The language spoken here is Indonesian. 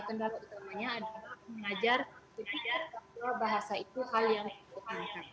kendala utamanya adalah mengajar bahasa itu hal yang penting